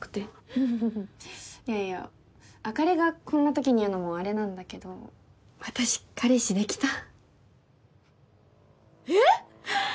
フフフフいやいやあかりがこんなときに言うのもあれなんだけど私彼氏できたええっ！？